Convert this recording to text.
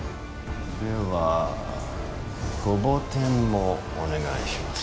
ではごぼう天もお願いします。